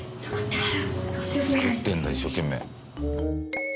作ってるんだ一生懸命。